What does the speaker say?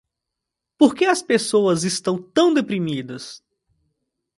Por que as pessoas estão tão deprimidas?